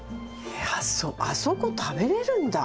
えっあそこ食べれるんだ。